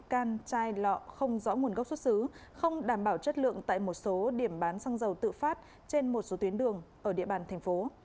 can chai lọ không rõ nguồn gốc xuất xứ không đảm bảo chất lượng tại một số điểm bán xăng dầu tự phát trên một số tuyến đường ở địa bàn thành phố